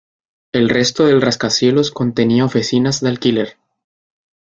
El resto del rascacielos contenía oficinas de alquiler.